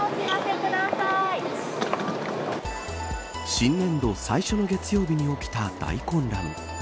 新年度最初の月曜日に起きた大混乱。